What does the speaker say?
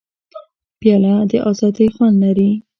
پیاله د ازادۍ خوند لري.